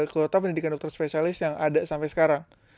kuota pendidikan dokter spesialis yang ada sampai sekarang